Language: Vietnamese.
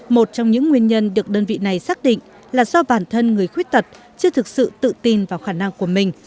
một trong những nguyên nhân được đơn vị này xác định là do bản thân người khuyết tật chưa thực sự tự tin vào khả năng của mình